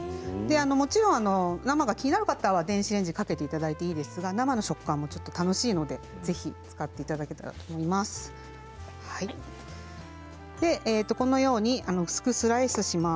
もちろん生が気になる方は電子レンジにかけていただいていいですが生の食感も楽しいのでぜひ使っていただけたらと思います。